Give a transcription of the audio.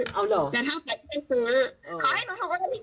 ขอให้หนูทำกว่าหนึ่งนิดหนึ่งเถอะในแค่อันนี้